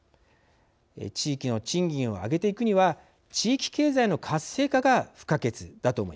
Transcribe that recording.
地域の賃金を上げていくには地域経済の活性化が不可欠だと思います。